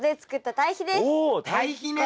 堆肥ね。